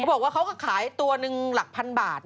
บอกว่าเขาก็ขายตัวหนึ่งหลักพันบาท